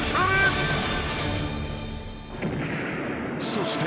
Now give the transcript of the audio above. ［そして］